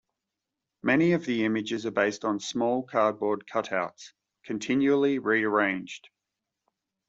Many of the images are based on small cardboard cutouts, continually rearranged.